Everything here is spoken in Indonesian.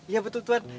iya betul tuan